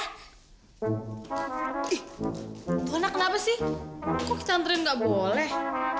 ih tona kenapa sih kok kita anterin nggak boleh